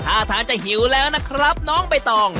ท่าทางจะหิวแล้วนะครับน้องใบตอง